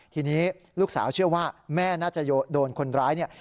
ทีนี้ลูกสาวเชื่อว่าแม่น่าจะโดนคนร้ายเนี่ย